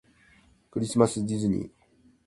クリスマスディズニー